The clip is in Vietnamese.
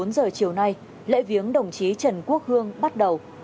một mươi bốn giờ chiều nay lễ viếng đồng chí trần quốc hương bắt đầu